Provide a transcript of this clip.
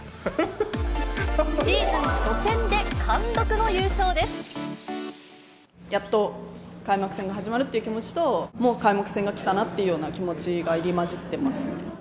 シーズン初戦で貫禄の優勝でやっと開幕戦が始まるって気持ちと、もう開幕戦が来たなっていうような気持ちが入り交じってます。